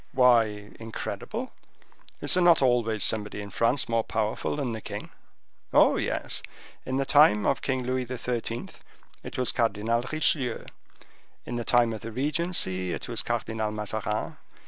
"Why incredible? Is there not always somebody in France more powerful than the king?" "Oh, yes; in the time of King Louis XIII. it was Cardinal Richelieu; in the time of the regency it was Cardinal Mazarin.